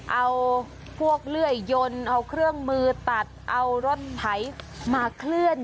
เอาพวกเลื่อยยนต์เอาเครื่องมือตัดเอารถไถมาเคลื่อน